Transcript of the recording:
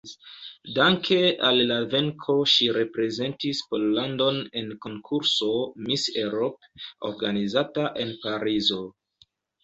Danke al la venko ŝi reprezentis Pollandon en konkurso Miss Europe organizata en Parizo.